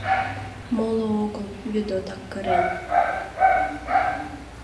Моло огыл, Ведотак кырен.